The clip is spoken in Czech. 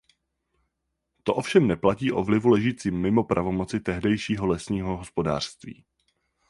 To ovšem neplatí o vlivu ležícím mimo pravomoci tehdejšího lesního hospodářství.